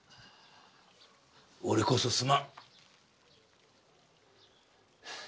俺こそすまん。